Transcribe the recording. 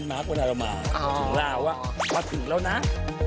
นะนะนะนะนะนะนะนะนะนะนะนะนะนะนะนะนะนะนะนะนะนะนะนะนะนะนะนะนะ